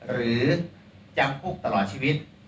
หรือจำคุกตลอดชีวิต